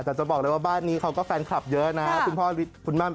แต่จะบอกเลยว่าบ้านนี้เขาก็แฟนคลับเยอะนะครับ